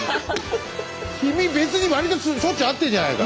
君別に割としょっちゅう会ってるじゃないか。